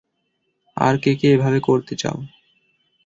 আর কে কে এভাবে করতে চাও?